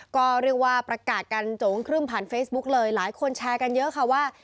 ก็เรียกว่าประกาศกันโจ๋งครึ่มผ่านเฟซบุ๊กเลยหลายคนแชร์กันเยอะค่ะว่า